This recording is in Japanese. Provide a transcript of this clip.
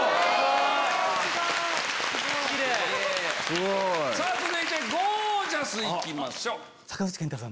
すごい！続いてゴー☆ジャス行きましょう。